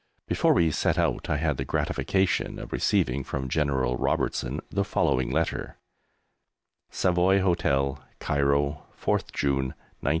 Before we set out I had the gratification of receiving from General Robertson the following letter: SAVOY HOTEL, CAIRO, 4TH JUNE, 1918.